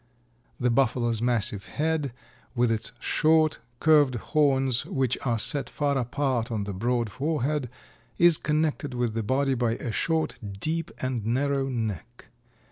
The Buffalo's massive head, with its short, curved horns which are set far apart on the broad forehead, is connected with the body by a short deep and narrow neck.